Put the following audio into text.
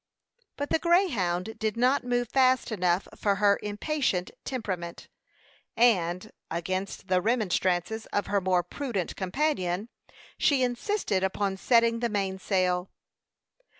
But the Greyhound did not move fast enough for her impatient temperament, and, against the remonstrances of her more prudent companion, she insisted upon setting the mainsail.